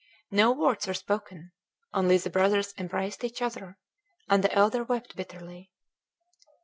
No words were spoken; only the brothers embraced each other, and the elder wept bitterly.